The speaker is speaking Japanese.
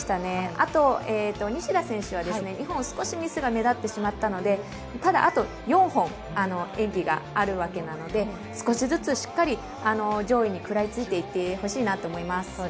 あと、西田選手は２本少しミスが目立ってしまったのでただ、あと４本演技があるわけなので少しずつしっかり上位に食らいついていってほしいなと思います。